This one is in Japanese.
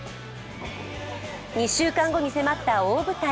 ２週間後に迫った大舞台。